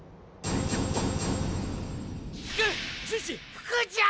福ちゃん！